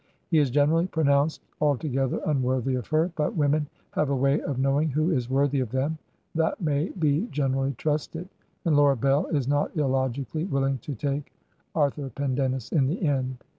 He is generally pronounced altogether imworthy of her, but women have a way of knowing who is worthy of them that may be generally trusted, and Laura Bell is not illogically willing to take Arthur Pendennis in the end.